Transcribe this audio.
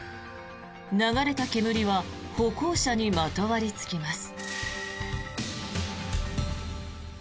流れた煙は歩行者にまとわりつきます。